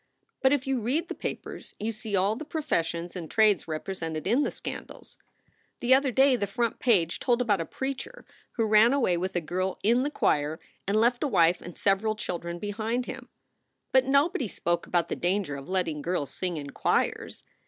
" But if you read the papers you see all the professions and trades represented in the scandals. The other day the 144 SOULS FOR SALE front page told about a preacher who ran away with a girl in the choir and left a wife and several children behind him. But nobody spoke about the danger of letting girls sing in choirs.